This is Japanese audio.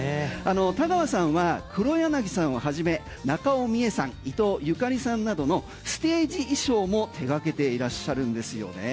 田川さんは黒柳さんをはじめ中尾ミエさん伊東ゆかりさんなどのステージ衣装も手がけてらっしゃるんですよね。